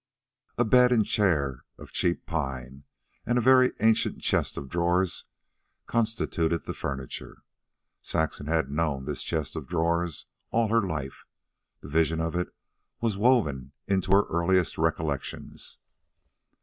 A bed and chair of cheap pine and a very ancient chest of drawers constituted the furniture. Saxon had known this chest of drawers all her life. The vision of it was woven into her earliest recollections.